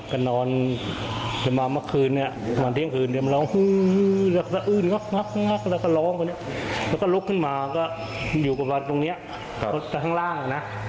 ก็อยู่กันตรงเนี่ยตอนข้างล่างอะน่ะอะเดี๋ยวก็ข้างล่าง